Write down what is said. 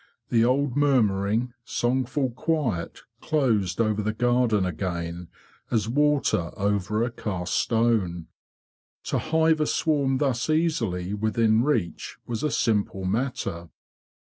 The old murmuring, songful quiet closed over the garden again, as water over a cast stone. To hive a swarm thus easily within reach was a simple matter.